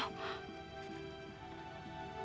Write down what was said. sayang saya mau berumur